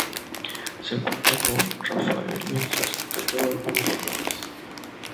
Se encuentra con Raphael mientras atacaba a algunos ladrones.